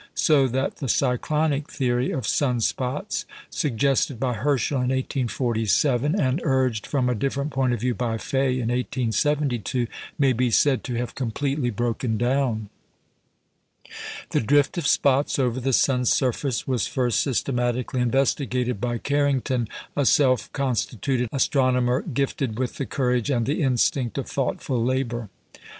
So that the "cyclonic theory" of sun spots, suggested by Herschel in 1847, and urged, from a different point of view, by Faye in 1872, may be said to have completely broken down. The drift of spots over the sun's surface was first systematically investigated by Carrington, a self constituted astronomer, gifted with the courage and the instinct of thoughtful labour.